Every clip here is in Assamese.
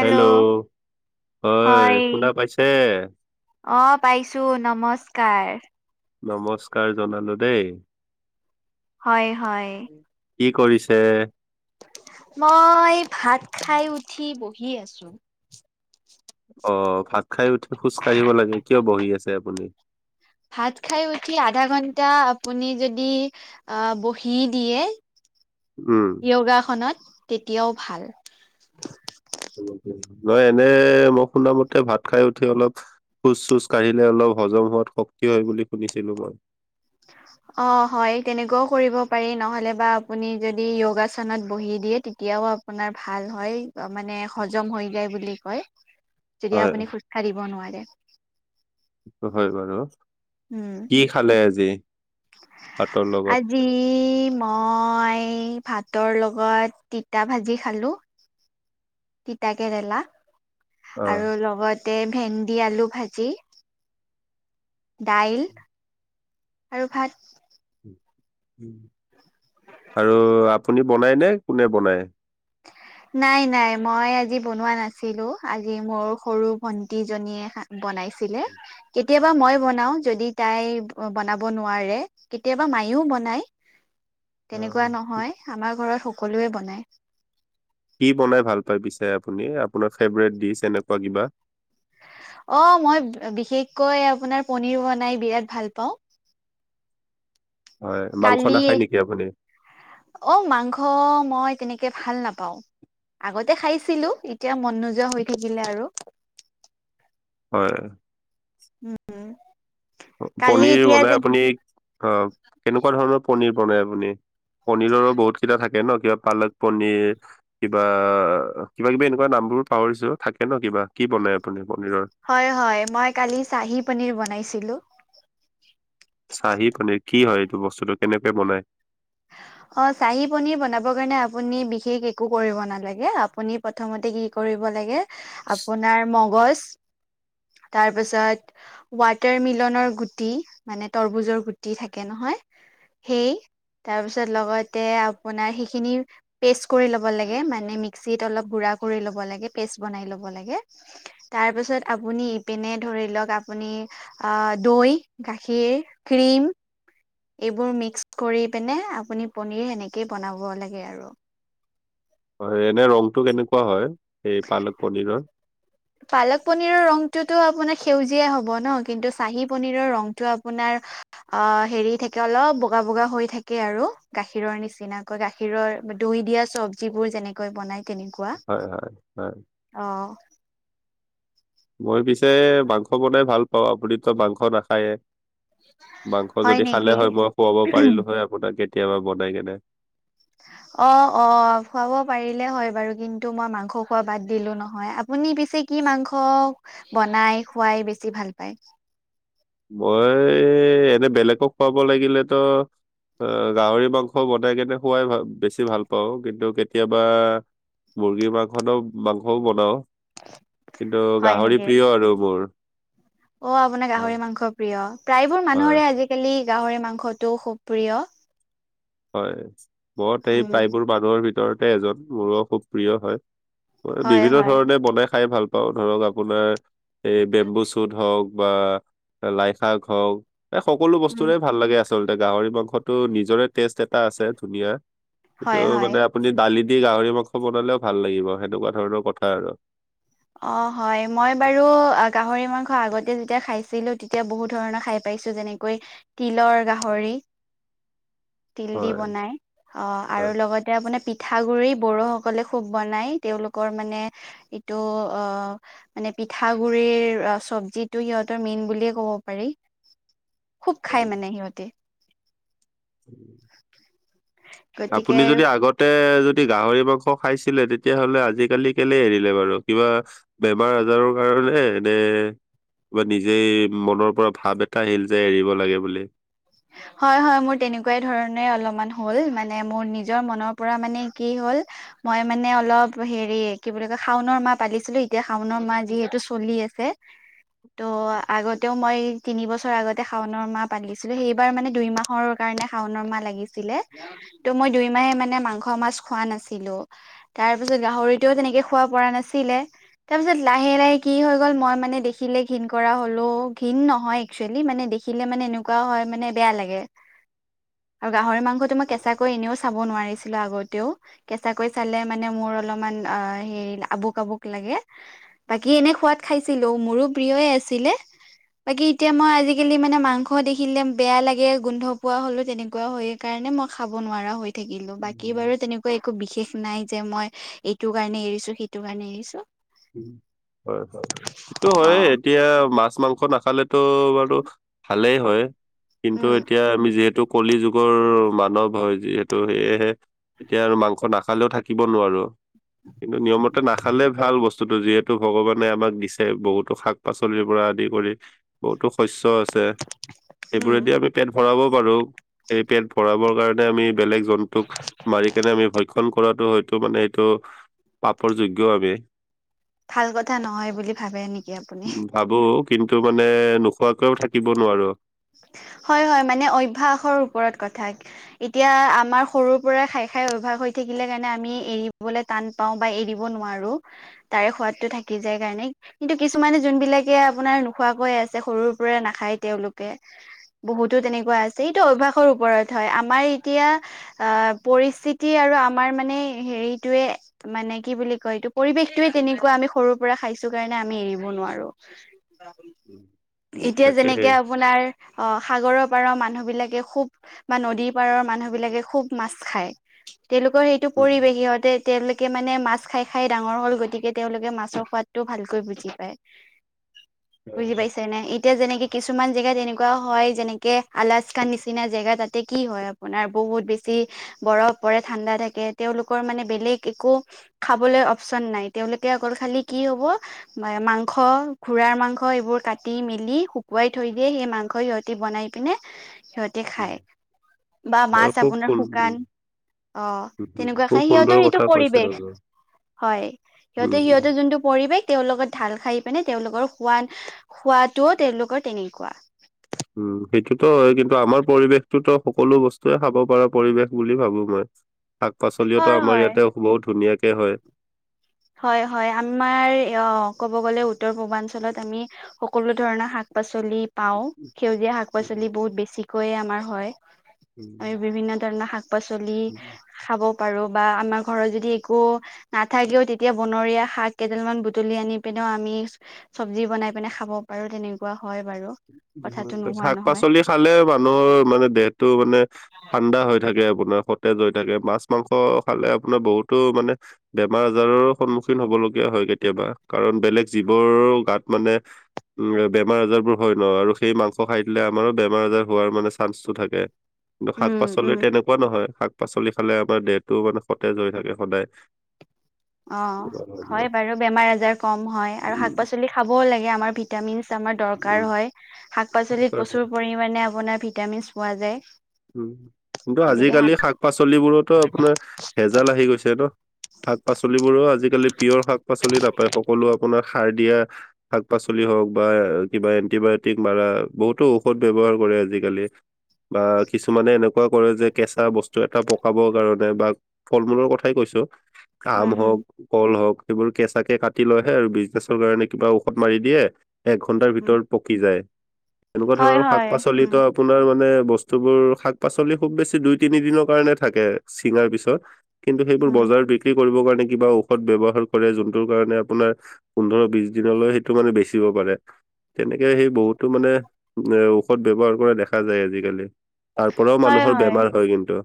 হেল্ল' হয়, শুনা পাইছে? অঁ', -পাইছো, নমস্কাৰ। নমস্কাৰ জনালো দেই। হয়-হয়। কি কৰিছে? মই ভাত খাই উঠি বহি আছো। অ', ভাত খাই উঠি খোজ কাঢ়িব লাগে, কিয় বহি আছে আপুনি? ভাত খাই উঠি আধা ঘন্টা আপুনি যদি- আহ', -বহি দিয়ে। উমঁ। ইয় গা খনত তেতিয়াও ভাল। নহয় এনেই মই শুনামতে ভাত খাই উঠি অলপ- খোজ-চোজ কাঢ়িলে অলপ হজম হোৱাত শক্তি হয় বুলি শুনিছিলো মই। [unintelligible] অঁ', -হয়। তেনেকুৱাও কৰিব পাৰি, নহ'লে বা আপুনি যদি ইয়গাখনত বহি দিয়ে তেতিয়াও- আপোনাৰ ভাল হয় মানে হজম হৈ যায় বুলি কয়। [unintelligible] যদি আপুনি খোজকাঢ়িব নোৱাৰে। টো হয় বাৰু, উম কি খালে আজি ভাতৰ লগত? আজি মই ভাতৰ লগত তিতা ভাজি খালোঁ। তিতা কেৰেলা অ আৰু লগতে ভেন্দি আলু ভাজি। দাইল আৰু ভাত। আৰু আপুনি বনাইনে কোনে বনায়? [inaudible] নাই নাই মই আজি বনোৱা নাছিলো আজি মোৰ সৰু ভন্টি জনীয়ে খা বনাইছিলে। কেতিয়াবা মই বনাওঁ যদি তাই বনাব নোৱাৰে। কেতিয়াবা মায়েও বনায় অ তেনেকুৱা নহয় আমাৰ ঘৰত সকলোৱে বনায়। কি বনাই ভাল পাই পিছে আপুনি আপোনাৰ ফেভৰেট ডিচ এনেকুৱা কিবা? অ', মই বিশেষকৈ আপোনাৰ পনিৰ বনাই বিৰাট ভাল পাওঁ। হয়, মাংস নাখায় কালি নেকি আপুনি? অ', মাংস মই তেনেকে ভাল নাপাওঁ। আগতে খাইছিলো এতিয়া মন নোযোৱা হৈ থাকিলে আৰু। হয়। উম। পনিৰ বনাই আপুনি অ' কেনেকুৱা ধৰণৰ পনিৰ বনাই আপুনি? পনিৰৰো বহুত কেইটা থাকে ন কিবা পালক পনিৰ। কিবা কিবা কিবি এনেকুৱা নামবোৰ পাহৰিছো থাকে ন কিবা কি বনাই আপুনি পনিৰৰ? হয়, হয় মই কালি চাহী পনিৰ বনাইছিলো। চাহি পনীৰ কি হয় এইটো বস্তুটো কেনেকে বনাই? অ', চাহি পনীৰ বনাব কাৰণে আপুনি বিশেষ একো কৰিব নালাগে আপুনি প্ৰথমতে কি কৰিব লাগে আপোনাৰ মগজ তাৰপিছত ৱাটাৰমিলনৰ গুটি মানে তৰমুজৰ গুটি থাকে নহয় সেই। তাৰপিছত লগতে আপোনাৰ সেইখিনি পেষ্ট কৰি ল'ব লাগে মানে মিক্সিত অলপ গুড়া কৰি ল'ব লাগে পেষ্ট বনাই ল'ব লাগে। তাৰপিছত আপুনি ইপিনে ধৰি লওঁক আপুনি আসদৈ গাখীৰ ক্ৰীম এইবোৰ মিক্স কৰি পিনে আপুনি পনিৰ সেনেকেই বনাব লাগে আৰু। হয়, এনে ৰংটো কেনেকুৱা হয় এই পালক পনীৰৰ? পালক পনিৰৰ ৰংটোতো আপোনাৰ সেউজিয়াই হ'ব ন। কিন্তু চাহি পনিৰৰ ৰংটো আপোনাৰ অ', হেৰি থাকে অলপ বগা বগা হৈ থাকে আৰু গাখীৰৰ নিচিনা। গাখীৰৰ দৈ দিয়া চব্জিবোৰ যেনেকৈ বনাই তেনেকুৱা। হয়, হয়, হয়। অ'। মই পিছে মাংস বনাই ভাল পাওঁ আপুনিতো মাংস নাখায়ে। মাংস হয় যদি নেকি খালে হয় মই খুৱাব পাৰিলো হয় আপোনাক কেতিয়াবা বনাই কেনে। অ', অ', খুৱাব পাৰিলে হয় বাৰু কিন্তু মই মাংস খোৱা বাদ দিলো নহয়। আপুনি পিছে কি মাংস বনাই খুৱাই বেছি ভাল পায়? মই এনে বেলেগক খুৱাব লাগিলেতো আহ গাহৰি মাংস বনাই কেনে খোৱাই ভে বেছি ভাল পাওঁ। কিন্তু কেতিয়াবা মুৰ্গীৰ মাংসতো মাংসও বনাওঁ কিন্তু হয় গাহৰি নেকি প্ৰিয় আৰু মোৰ। অ', আপোনাৰ হয় গাহৰি মাংস প্ৰিয়, প্ৰায়বোৰ হয় মানুহৰে আজিকালি গাহৰি মাংসটো খুব প্ৰিয়। হয়, মই সেই উম প্ৰায়বোৰ মানুহৰ ভিতৰতে এজন। মোৰো খুব প্ৰিয় হয় মই হয় বিভিন্ন হয় ধৰণে বনাই খাই ভাল পা পাওঁ ধৰক আপোনাৰ এই বেম্বু চুট হওঁক বা লাইশাক হওঁক। এই, সকলো উম বস্তুৰে ভাল লাগে আচলতে, গাহৰি মাংসটো নিজৰে টেষ্ট এটা আছে ধুনীয়া। সেইটো হয় হয় মানে আপুনি দালি দি গাহৰি মাংস বনালেও ভাল লাগিব, সেনেকুৱা ধৰণৰ কথা আৰু। অ', হয় মই বাৰু গাহৰি মাংস আগতে যেতিয়া খাইছিলো তেতিয়া বহুত ধৰণৰ খাই পাইছো যেনেকৈ তিলৰ গাহৰি। তিল দি হয় বনাই অ' আৰু হয় লগতে আপোনাৰ পিঠগুৰি বড়োস সকলে খুব বনাই, তেওঁলোকৰ মানে এইটো অ' মানে পিঠাগুৰিৰ চবজিটো সিহঁতৰ মেইন বুলিয়ে ক'ব পাৰি। [inaudible] খুব খাই হয় মানে সিহঁটি। গতিকে আপুনি যদি আগত তে, যদি গাহৰি মাংস খাইছিলে তেতিয়া হ'লে আজিকালি কেলে এৰিলে বাৰু কিবা বেমাৰ-আজাৰৰ কাৰণে নে বা নিজেই মনৰ পৰা ভাৱ এটা আহিল যে এৰিব লাগে বুলি? হয়, হয়, মোৰ তেনেকুৱাই ধৰণে অলপমান হ'ল, মানে মোৰ নিজৰ মনৰ পৰা মানে কি হ'ল মই মানে অলপ হেৰি, কি বুলি কয়, শাওনৰ মাহ পালিছিলো, এতিয়া শাওনৰ মাহ যিহেতু চলি আছে [inaudible] ত', আগতেও মই তিনিবছৰ আগতে শাওনৰ মাহ পালি সেইবাৰ মানে দুই মাহৰ কাৰণে শাওনৰ মাহ লাগিছিলে। ত', মই দুই মাহে মানে মাংস, মাছ খোৱা নাছিলো। তাৰপিছত গাহৰিতোও তেনেকে খোৱা পৰা নাছিলে তাৰপিছত লাহে-লাহে কি হৈ গ'ল মই মানে দেখিলে ঘীণ কৰা হ'লো, ঘীণ নহয় একচুৱেলি মানে দেখিলে মানে এনেকুৱাও হয়, মানে বেয়া লাগে। আৰু গাহৰি মাংসটো মই কেঁচাকৈ এনেওঁ চাব নোৱাৰিছিলোঁ আগতেও কেঁচাকৈ চালে মানে মোৰ অলপমান অ, হেৰি, আবুক-আবুক লাগে। বাকী এনে খোৱাত খাইছিলো, মোৰো প্ৰিয়য়ে আছিলে। বাকী এতিয়া মই আজিকালি মানে মাংস দেখিলে বেয়া লাগে গোন্ধ পোৱা হ'লো, তেনেকুৱা হৈ কাৰণে মই খাব নোৱাৰা হৈ থাকিলো বাকী বাৰু উম, তেনে একো বিশেষ নাই যে, মই এইটো কাৰণে এৰিছোঁ, সেইটো কাৰণে এৰিছোঁ। [unintelligible] তো অ হয়েই এতিয়া মাছ, মাংস নাখালেতো বাৰু ভালেই হয়। কিন্তু উম এতিয়া আমি যিহেতু কলি যুগৰ মানৱ হয়, যিহেতু সেয়েহে এতিয়া আৰু মাংস নাখালেও থাকিব নোৱাৰো, কিন্তু নিয়মতে নাখালে ভাল বস্তু বস্তুটো, যিহেতু ভগৱানে আমাক দিছে, বহুতো শাক-পাচলিৰ পৰা আদি কৰি। বহুতো শস্য আছে। উম সেইবোৰেদি আমি পেট ভৰাব পাৰো, এই পেট ভৰাবৰ কাৰণে আমি বেলেগ জন্তুক মাৰি কেনে আমি ভক্ষণ কৰাটো, হয়তো মানে এইটো, পাপৰ যোগ্য আমি। ভাল কথা নহয় বুলি ভাবে নেকি আপুনি? ভাবোঁ কিন্তু মানে নোখোৱাকৈও থাকিব নোৱাৰো। হয়, হয় মানে অভ্যাসৰ ওপৰত কথা। এতিয়া আমাৰ সৰুৰ পৰা খাই খাই অভ্যাস হৈ থাকিলে কাৰণে আমি এৰিবলে টান পাওঁ বা এৰি দিব নোৱাৰো, তাৰে সোৱাদটো থাকি যায় কাৰণে। কিন্তু কিছুমানে যোনবিলাকে আপোনাৰ নোখোৱাকৈ আছে সৰুৰ পৰা নাখায় তেওঁওলোকে বহুতো তেনেকুৱা আছে, এইটো অভ্যাসৰ ওপৰত হয় আমাৰ এতিয়া আহ, পৰিস্থিতি আৰু আমাৰ মানে হেৰিটোয়ে মানে কি বুলি কয় এইটো পৰিৱেশটোয়ে তেনেকুৱা আমি সৰুৰ পৰা খাইছো কাৰণে আমি এৰিব নোৱাৰো। এতিয়া তাকে যেনেকে আপোনাৰ সাগৰৰ পাৰৰ মানুহবিলাকে খুব বা নদীৰ পাৰৰ মানুহ বিলাকে খুব মাছ খায় তেওঁলোকৰ সেইটো পৰিৱেশ সিহঁতে তেওঁলোকে মানে মাছ খাই খাই ডাঙৰ হ'ল গতিকে তেওঁলোকে মাছৰ সোৱাদটো ভালকৈ বুজি পায়। বুজি পাইছে নে? এতিয়া যেনেকে কিছু কিছুমান জেগাত তেনেকুৱাও হয় যেনেকে আলাচকাৰ নিচিনা জেগা তাতে কি হয় আপোনাৰ বহুত বেছি বৰফ পৰে ঠাণ্ডা থাকে তেওঁলোকৰ মানে বেলেগ একো খাবলৈ অপচন নাই তেওঁলোকে অকল খালি কি হ'ব মাংস পুৰাৰ মাংস এইবোৰ কাটি মেলি শুকুৱাই থৈ দিয়ে সেই মাংস সিহঁতে বনাই পিনে সিহঁতে খায়। বা মাছ হয় খুব আপোনাৰ সুন্দৰ শুকান অ', উম, তেনেকুৱা খুব খায় সুন্দৰ সিহঁতৰ এইটো কথা কৈছে পৰিৱেশ। আৰু। হয়, সিহঁতে উম, সিহঁতেৰ যোনটো পৰিৱেশ তেওঁৰ লগত ঢাল খাই পিনে তেওঁলোকৰ খোৱ খোৱাতটোও তেওঁলোকৰ তেনেকুৱা। উম সেইটোতো হয় কিন্তু আমাৰ পৰিৱেশটোতো সকলো বস্তুৱয়ে খাব পৰা পৰিৱেশ বুলি ভাবো মই। শাক-পাচলিও হয় আমাৰ হয় ইয়াতে বহুত ধুনীয়াকে হয়। হয় হয় আমাৰ অ' ক'ব গলে উত্তৰ পূৰ্বাঞ্চলত আমি সকলো ধৰণৰ শাক শাক-পাচলি পাওঁ সেউজীয়া শাক-পাচলি বহুত বেছিকৈয় আমাৰ হয়। আমি বিভিন্ন ধৰণৰ শাক-পাচলি খাব পাৰো বা আমাৰ ঘৰত যদি একো নাথাকেও তে তেতিয়া বনৰীয়া শাক কেইডালমান বুটলি আনি পিনেও আমি চব্জি বনাই পিনে খাব পাৰো তেনেকুৱা হয় বাৰু। কথাটো নোহোৱা নহয় শাক-পাচলি খালে মানুহৰ মানে দেহটো মানে ঠাণ্ডা হৈ থাকে আপোনাৰ সতেজ হৈ থাকে মাছ মাংস খালে আপোনাৰ বহুতো মানে বেমাৰ আজাৰৰো সন্মুখীন হব লগীয়া হয় কেতিয়াবা কাৰণ বেলেগ জীৱৰ গাত মানে উ বেমাৰ আজাৰ বোৰ হয় ন আৰু সেই মাংস খাই দিলে আমাৰো বেমাৰ আজাৰ হোৱাৰ মানে চান্সটো থাকে। কিন্তু উম শাক-পাচলি উম তেনেকুৱা নহয় শাক-পাচলি খালে আমাৰ দেহটোও মানে সতেজ হৈ থাকে সদায়। তেনেকুৱা অ', ধৰণৰ হয় বাৰু বেমাৰ আজাৰ কম হয় আৰু উম, শাক-পাচলি খাবও লাগে আমাৰ ভিতৰত ভিটামিন আমাৰ উম, দৰকাৰ হয় শাক-পাচলি তেনেকুৱা ধৰণৰ। প্ৰচুৰ পৰিমাণে আপোনাৰ ভিটামিন পোৱা যায়। উম কিন্তু গতিকে আজিকালি শাক শাক-পাচলিবোৰতো আপোনাৰ ভেজাল আহি গৈছে ন শাক-পাচলিবোৰো আজিকালি পিয়ৰ শাক-পাচলি নাপায় সকলো আপোনাৰ সাৰ দিয়া শাক-পাচলি হওক বা কিবা এণ্টিবায়টিক মাৰা বহুতো ঔষধ ব্যৱহাৰ কৰে আজিকালি বাক কিছুমানে এনেকুৱা কৰে যে কেঁচা বস্তু এটা পকাবৰ কাৰণে বা ফল মূলৰ কথাই কৈছো আম উম হম হওঁক কল হওক সেইবোৰ কেঁচাকে কাটি লয়হে আৰু বিজনেচৰ কাৰণে কিবা ঔষধ মাৰি দিয়ে এক ঘন্টাৰ উম ভিতৰত পকি যায় এনেকুৱা হয় ধৰণৰ হয় উম শাক-পাচলিতো আপোনাৰ মানে বস্তু বস্তুবোৰ শাক-পাচলি খুব বেছি দুই তিনি দিনৰ কাৰণে থাকে চিঙাৰ পিছত কিন্তু সেইবোৰ উম বজাৰত বিক্ৰী কৰিবৰ কাৰণে কিবা ঔষধ ব্যৱহাৰ কৰে যোনটোৰ কাৰণে আপোনাৰ পোন্ধৰ বিশ দিনলৈ সেইটো মানে বেচিব পাৰে। তেনেকে সেই বহুতো মানে এ ঔষধ ব্যৱহাৰ কৰা দেখা যায় আজিকালি। তাৰ পৰাও মানুহৰ বেমাৰ হয় কিন্তু।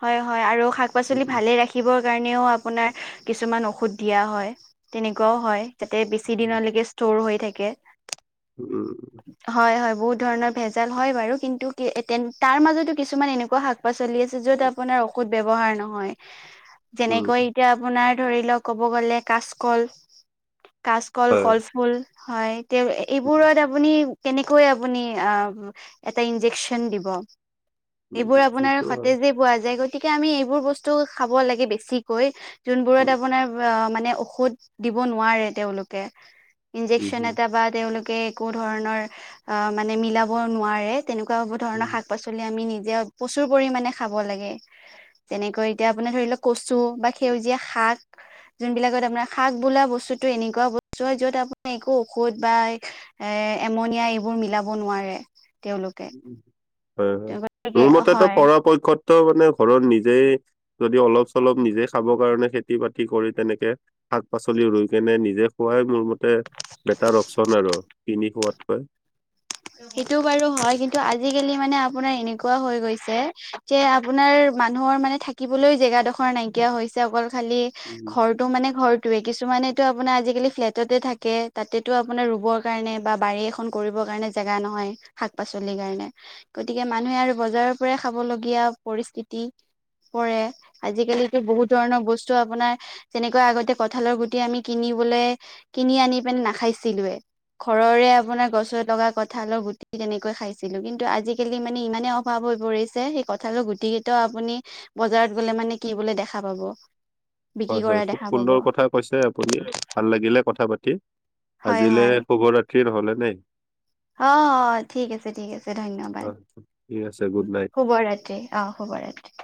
হয় হয় আৰু শাক পাচলি উম, ভালেই ৰাখি খিবৰ কাৰণেও আপোনাৰ কিছুমান ঔষধ দিয়া হয়, তেনেকুৱাও হয়্ যাতে বেছি দিনলেকে ষ্ট'ৰ হৈ থাকে। উম। হয় হয় বহুত ধৰণৰ ভেজাল হয় বাৰু কিন্তু কি এই তেন তাৰ মাজতো কিছুমান এনেকুৱা শাক পাচলি আছ য'ত আপোনাৰ ঔষধ ব্যৱহাৰ নহয়, যেনেকৈ উম, এতিয়া আপোনাৰ ধৰি লওঁক ক'ব গ'লে কাচকল, কাচকল হয়। কলফুল হয়, তেওঁ উম, এইবোৰত আপুনি কেনেকৈ আপুনি অ' এটা ইনজেকন দিব। উম, এইবোৰ আপোনাৰ সেইটো হয়। সতেজেই পোৱা যায়, গতিকে আমি এইবোৰ বস্তু খাব লাগে বেছিকৈ যোনবোৰত আপোনাৰ ৱ মানে ঔষধ দিব নোৱাৰে তেওঁলোকে। উম, ইঞ্জেকচন হম, এটা বা তেওঁলোকে একো ধৰণৰ অ' মানে মিলাব নোৱাৰে তেনেকুৱা বধৰণৰ শাক পাচলি আমি নিজে প্ৰচুৰ পৰিমাণে খাব লাগে। তেনেকৈ এতিয়া আপোনাৰ ধৰি লওঁক কচু বা সেউজীয়া শাক। যোনবিলাকত আপোনাৰ শাক বোলা বস্তুতটো এনেকুৱা বস্তু হয় য'ত আপোনাৰ একো ঔষধ বা এ এমনিয় এইবোৰ মিলাব নোৱাৰে। তেওঁলোকে হে, গতিকে মোৰ মতেত' হয় পৰাপক্ষত য' মানে ঘৰত নিজেই যদি অলপ চলপ নিজে খাব কাৰণে খেতি বাতি কৰি তেনেকে শাক পাচলি ৰুই কেনে নিজে খোৱাই মোৰ মত তে বেটাৰ অপচন আৰু কিনি খোৱাতকৈ। সেইটো বাৰু হয়, কিন্তু আজিকালি মানে আপোনাৰ এনেকুৱা হৈ গৈছে যে আপোনাৰ মানুহৰ মানে থাকিবলৈ জেগাডখৰ নাইকিয়া হৈছে, অকল খালি উম, ঘৰ টো মানে ঘৰটোয়ে কিছুমানেটো আপোনাৰ আজিকালি ফ্লেটতে থাকে, তাতেতো আপোনাৰ ৰুবৰ কাৰণে বা বাৰী এখন কৰিব কাৰণে জেগা নহয়, শাক পাচলিৰ কাৰণে। গতিকে মানুহে আৰু বজাৰৰ পৰাই খাব লগীয়া পৰিস্থিতি পৰে আজিকালিতো বহুত ধৰণৰ বস্তু আপোনাৰ যেনেকুৱা আগতে কঠালৰ গুটি আমি কিনিবলে কিনি আনি পিনে নাখাইছিলোৱে। ঘৰৰে আপোনাৰ গছৰ লগা কঠ কঁঠালৰ গুটি তেনেকৈ খাইছিলোঁ কিন্তু আজিকালি মানে ইমানেই অভাৱ হৈ পৰিছে, সেই কঁঠালৰ গুটি ত' আপুনি বজাৰত গ'লে মানে কিবলে দেখা পাব। বিক্ৰী হয় কৰা হয় খুব দেখা পাব সুন্দৰ কথা কৈছে আপুনি। ভাল লাগিলে কথা পাতি। হয় আজিলে হয় শুভ ৰাত্ৰি নহ'লে নে? অঁ অঁ ঠিক আছে ঠিক আছে ধন্যবাদ অ' ঠিক আছে গুড নাইট। শুভ ৰাত্ৰি। অঁ শুভৰাতি।